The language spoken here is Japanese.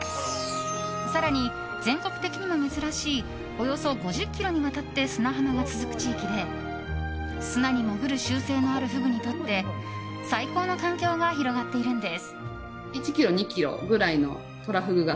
更に、全国的にも珍しいおよそ５０ｋｍにわたって砂浜が続く地域で砂に潜る習性のあるフグにとって最高の環境が広がっているんです。